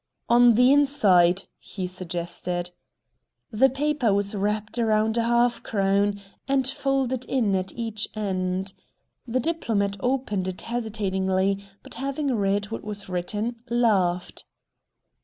"On the inside," he suggested. The paper was wrapped around a half crown and folded in at each end. The diplomat opened it hesitatingly, but having read what was written, laughed.